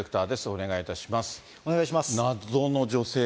お願いします。